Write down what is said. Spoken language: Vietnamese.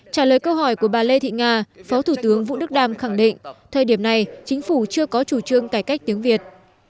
trả lời câu hỏi của bà lê thị nga phó thủ tướng vũ đức đam khẳng định thời điểm này chính phủ chưa có chủ trương cải cách tiếng việt